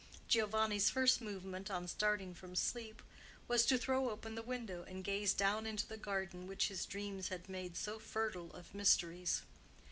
Giovanni's first movement, on starting from sleep, was to throw open the window and gaze down into the garden which his dreams had made so fertile of mysteries.